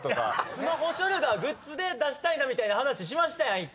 スマホショルダーグッズで出したいなみたいな話しましたやん１回。